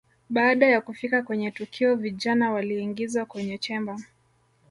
Baada ya kufika kwenye tukio vijana waliingizwa kwenye chemba